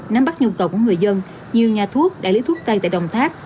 nắm bắt nhu cầu của người dân nhiều nhà thuốc đại lý thuốc tây tại đồng tháp